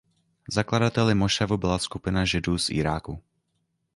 Zakladateli mošavu byla skupina Židů z Iráku.